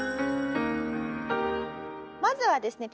まずはですね